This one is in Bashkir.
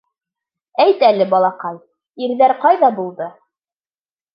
— Әйт әле, балаҡай, ирҙәр ҡайҙа булды?